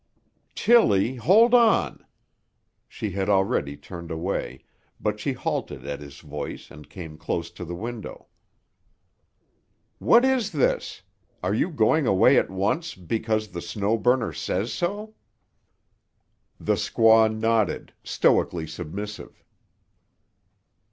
"Tilly! Hold on!" She had already turned away, but she halted at his voice and came close to the window. "What is this? Are you going away at once—because the Snow Burner says so?" The squaw nodded, stoically submissive.